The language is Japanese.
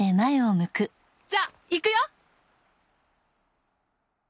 じゃあ行くよ！